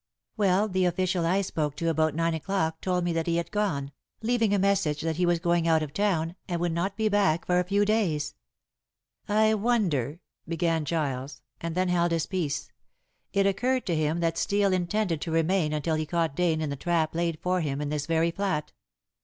"Well, the official I spoke to about nine o'clock told me that he had gone, leaving a message that he was going out of town, and would not be back for a few days." "I wonder," began Giles, and then held his peace. It occurred to him that Steel intended to remain until he caught Dane in the trap laid for him in this very flat.